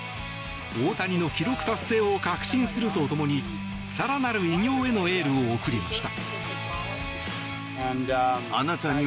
大谷の記録達成を確信するとともに更なる偉業へのエールを送りました。